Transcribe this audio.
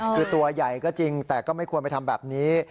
คือตัวใหญ่ก็จริงแต่ก็ไม่ควรไปทำแบบนี้